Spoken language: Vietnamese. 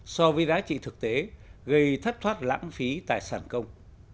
so với giá trị thực tế gây thất thoát lãng phí tài sản công